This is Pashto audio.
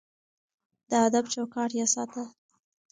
د ادب چوکاټ يې ساته.